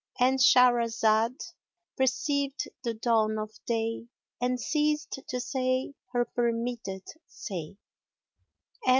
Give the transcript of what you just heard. "—And Shahrazad perceived the dawn of day and ceased to say her permitted say.